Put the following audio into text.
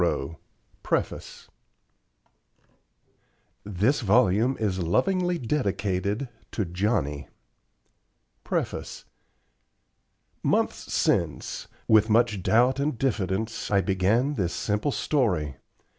ROE THIS VOLUME IS LOVINGLY DEDICATED TO "JOHNNIE" PREFACE Months since, with much doubt and diffidence, I began this simple story.